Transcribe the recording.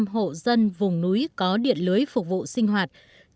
chín mươi chín sáu mươi bảy hộ dân vùng núi có điện lưới phục vụ sinh hoạt